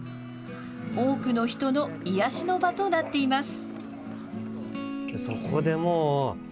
多くの人の癒やしの場となっています。